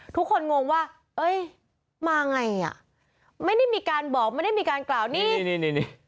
งงว่าเอ้ยมาไงอ่ะไม่ได้มีการบอกไม่ได้มีการกล่าวนี่นี่นี่